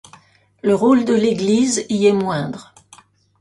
Le rôle de l’Église y est moindre.